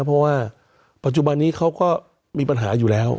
เพราะว่าปัจจุบันนี้เขาก็มีปัญหาอยู่แล้ว